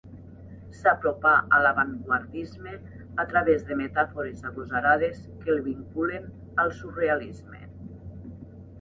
S'apropà a l'avantguardisme a través de metàfores agosarades que el vinculen al surrealisme.